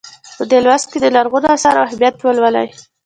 په دې لوست کې د لرغونو اثارو اهمیت ولولئ.